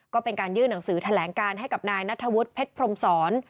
ก็เป็นการยื่นหนังสือแถลงการให้กับนายนัทธวุฒิเพชรพรมศร